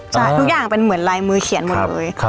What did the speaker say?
ใช่ทุกอย่างเป็นเหมือนลายมือเขียนหมดเลย